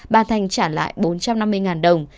bà thành trả lại bốn trăm năm mươi đồng